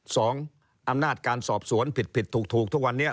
อำนาจการสอบสวนผิดผิดถูกทุกวันนี้